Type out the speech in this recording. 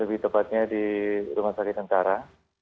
lebih tepatnya di rumah sakit tentara